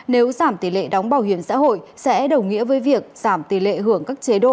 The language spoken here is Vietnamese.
nếu giảm tỷ lệ đóng bảo hiểm xã hội sẽ đồng nghĩa với việc giảm tỷ lệ hưởng các chế độ